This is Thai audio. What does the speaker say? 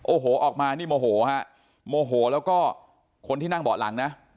โอ้โหออกมานี่โมโหฮะโมโหแล้วก็คนที่นั่งเบาะหลังนะ